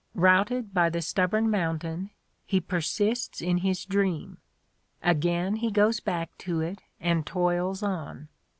Routed by the stubborn mountain, he persists in his dream: again he goes back to it and toils on.